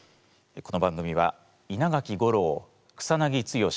この番組は稲垣吾郎草剛